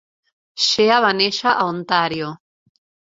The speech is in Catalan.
Shea va néixer a Ontàrio.